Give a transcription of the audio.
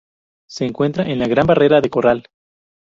Se encuentra en la Gran Barrera de Coral.